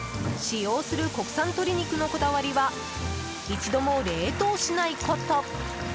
使用する国産鶏肉のこだわりは一度も冷凍しないこと。